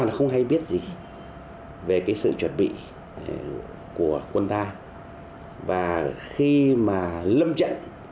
đặc trưng về mặt nghệ thuật đối xử của quang trung là